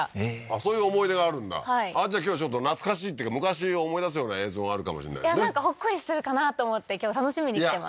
そういう思い出があるんだはいじゃあ今日懐かしいっていうか昔を思い出すような映像があるかもしれないですねなんかほっこりするかなと思って今日楽しみに来てます